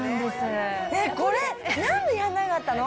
えっ、これ、なんでやんなかったの？